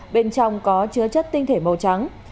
bên trong có chứa chất tinh thể màu trắng